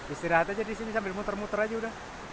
istirahat aja disini sambil muter muter aja udah